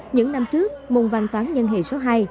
những năm trước môn văn toán nhân hệ số hai